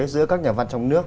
giữa các nhà văn trong nước